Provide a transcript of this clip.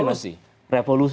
sebenarnya kita revolusi